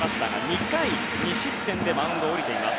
２回２失点でマウンドを降りています。